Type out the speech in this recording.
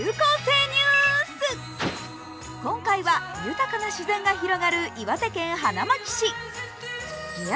今回は豊かな自然が広がる岩手県花巻市。